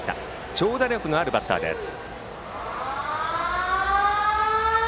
長打力のあるバッターです。